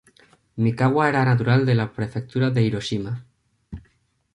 Mikawa era natural de la Prefectura de Hiroshima.